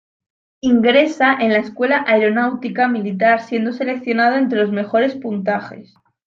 Ingresa a la Escuela Aeronáutica militar, siendo seleccionado entre los mejores puntajes.